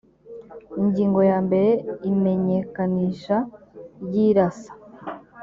ingingo ya mbere imenyekanisha ry irasa